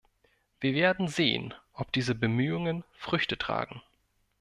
Wir werden sehen, ob diese Bemühungen Früchte tragen.